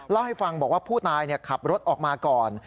เล่าให้ฟังบอกว่าผู้ตายขับรถออกมาก่อน